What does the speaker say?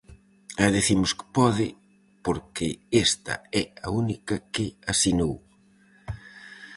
E dicimos que pode, porque esta é a única que asinou.